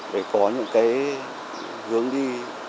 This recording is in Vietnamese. để có những cái hướng đi